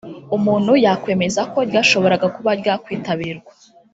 umuntu yakwemeza ko ryashoboraga kuba ryakwitabirwa